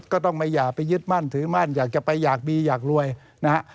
ก็ต้องไม่อย่าไปยึดมั่นถือมั่นอยากจะไปอยากดีอยากรวยนะฮะ